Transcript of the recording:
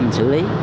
mình xử lý